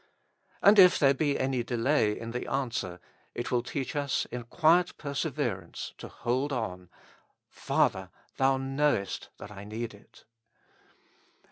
And if there be any delay in the answer, it will teach us in quiet per severance to hold on ; Father ! Thou knowest I need it.